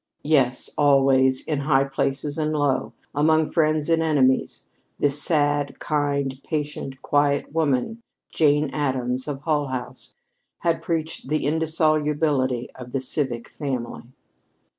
Yes, always, in high places and low, among friends and enemies, this sad, kind, patient, quiet woman, Jane Addams, of Hull House, had preached the indissolubility of the civic family.